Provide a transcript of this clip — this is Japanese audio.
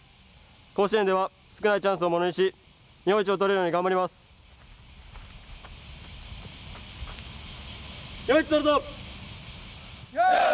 甲子園では少ないチャンスをものにし日本一を取れるように頑張ります。